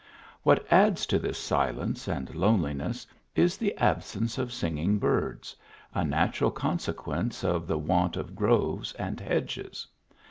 What adds to this silence and loneliness, is the absence of singing birds, a natural consequence of the want of 10 THE AU1AMBJ. groves and hedges.